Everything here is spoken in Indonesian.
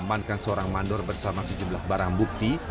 diamankan seorang mandor bersama sejumlah barang bukti